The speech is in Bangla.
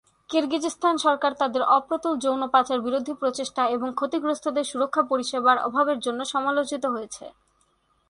কিরগিজস্তান সরকার তাদের অপ্রতুল যৌন-পাচার বিরোধী প্রচেষ্টা এবং ক্ষতিগ্রস্তদের সুরক্ষা পরিষেবার অভাবের জন্য সমালোচিত হয়েছে।